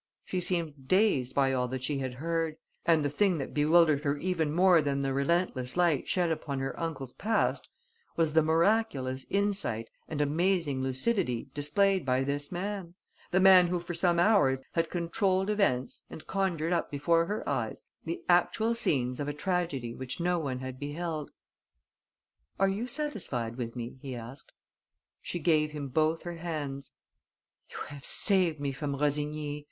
She seemed dazed by all that she had heard; and the thing that bewildered her even more than the relentless light shed upon her uncle's past was the miraculous insight and amazing lucidity displayed by this man: the man who for some hours had controlled events and conjured up before her eyes the actual scenes of a tragedy which no one had beheld. "Are you satisfied with me?" he asked. She gave him both her hands: "You have saved me from Rossigny.